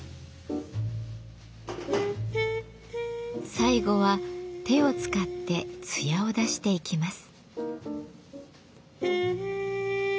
最後は手を使って艶を出していきます。